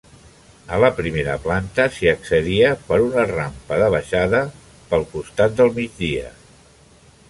A la primera planta s'hi accedia per una rampa de baixada pel costat del migdia.